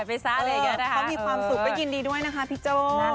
เขามีความสุขก็ยินดีด้วยนะคะพี่โจ้